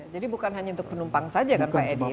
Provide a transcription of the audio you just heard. jadi bukan hanya untuk penumpang saja kan pak edi